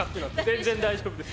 全然大丈夫です。